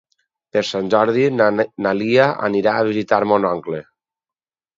Per Sant Jordi na Lia anirà a visitar mon oncle.